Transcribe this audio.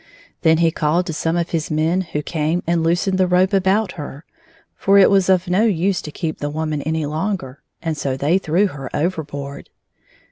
Then he called to some of his men, who came and loosened the rope about her, for it was of no use to keep the woman any longer, and so they threw her overboard.